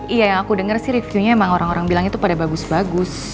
iya yang aku dengar sih reviewnya emang orang orang bilang itu pada bagus bagus